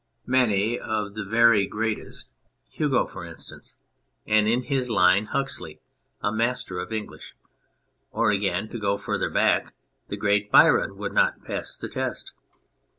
Many of the very greatest, Hugo for instance, and in his line, Huxley (a master of English) ; or, again, to go further back, the great Byron, would not pass the test.